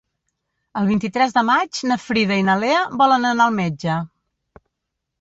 El vint-i-tres de maig na Frida i na Lea volen anar al metge.